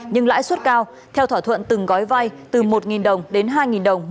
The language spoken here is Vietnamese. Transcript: nhưng lãi suất cao theo thỏa thuận từng gói vai từ một đồng đến hai đồng